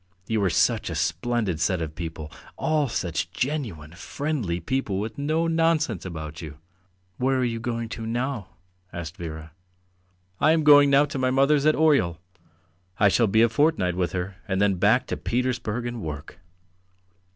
You are such a splendid set of people! All such genuine, friendly people with no nonsense about you." "Where are you going to now?" asked Vera. "I am going now to my mother's at Oryol; I shall be a fortnight with her, and then back to Petersburg and work."